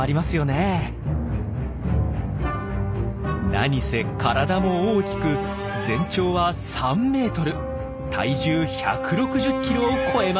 なにせ体も大きく全長は３メートル体重１６０キロを超えます。